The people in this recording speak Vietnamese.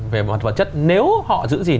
về mặt vật chất nếu họ giữ gìn